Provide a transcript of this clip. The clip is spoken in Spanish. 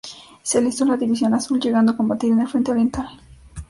Se alistó en la División Azul, llegando a combatir en el Frente oriental.